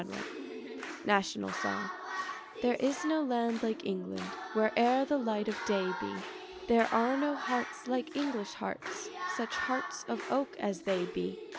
XXI =National Song= There is no land like England Where'er the light of day be; There are no hearts like English hearts, Such hearts of oak as they be.